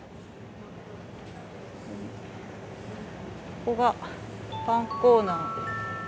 ここがパンコーナーです。